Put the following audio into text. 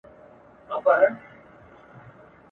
د خپل قسمت سره په جنګ را وزم !.